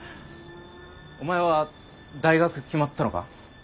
お前は大学決まったのか？